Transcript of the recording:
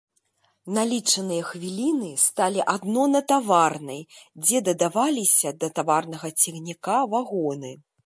На лічаныя хвіліны сталі адно на таварнай, дзе дадаваліся да таварнага цягніка вагоны.